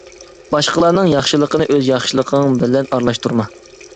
باشقىلارنىڭ ياخشىلىقىنى ئۆز ياخشىلىقىڭ بىلەن ئارىلاشتۇرما.